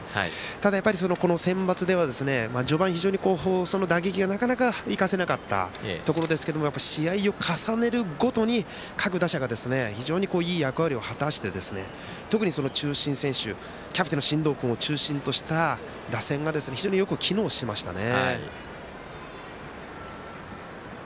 ただセンバツでは序盤、非常にその打撃がなかなか生かせなかったところですけど試合を重ねるごとに各打者が非常にいい役割を果たして特に中心選手キャプテンの進藤君を中心とした打線が機能しましたね。